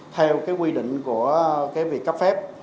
theo quy định của việc cấp phép